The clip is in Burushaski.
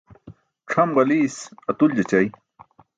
Cʰam ġaliis atuljaćay.